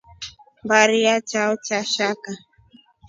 Mbari ya chao cha kshaka.